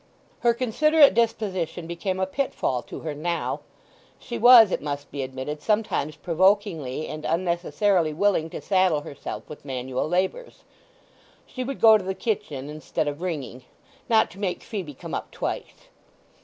Her considerate disposition became a pitfall to her now. She was, it must be admitted, sometimes provokingly and unnecessarily willing to saddle herself with manual labours. She would go to the kitchen instead of ringing, "Not to make Phoebe come up twice."